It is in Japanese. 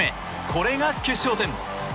これが決勝点！